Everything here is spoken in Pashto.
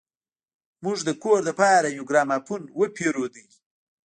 موږ د کور لپاره يو ګرامافون وپېرود.